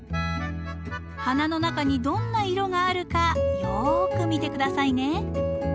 花の中にどんな色があるかよく見て下さいね。